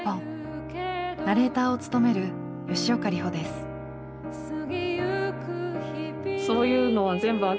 ナレーターを務める吉岡里帆です。